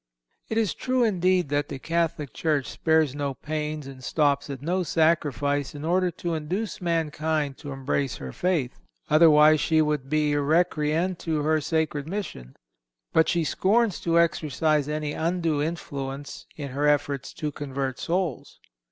(300) It is true, indeed, that the Catholic Church spares no pains and stops at no sacrifice in order to induce mankind to embrace her faith. Otherwise she would be recreant to her sacred mission. But she scorns to exercise any undue influence in her efforts to convert souls.